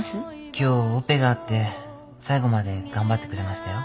今日オペがあって最後まで頑張ってくれましたよ。